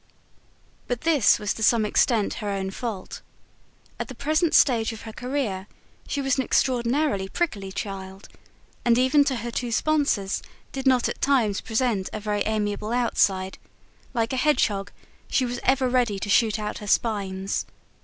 But this was to some extent her own fault. At the present stage of her career she was an extraordinarily prickly child, and even to her two sponsors did not at times present a very amiable outside: like a hedgehog, she was ever ready to shoot out her spines.